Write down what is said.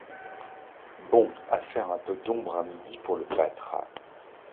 Bon à faire un peu d'ombre à midi pour le pâtre